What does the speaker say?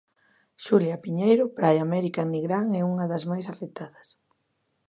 Xulia Piñeiro, Praia América en Nigrán é unha das máis afectadas.